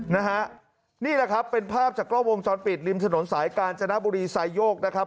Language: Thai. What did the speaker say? นะฮะนี่แหละครับเป็นภาพจากกล้องวงจรปิดริมถนนสายกาญจนบุรีไซโยกนะครับ